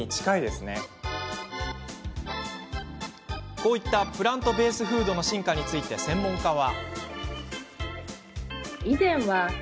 こういったプラントベースフードの進化について、専門家は。